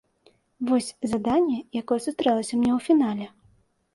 Вось заданне, якое сустрэлася мне ў фінале.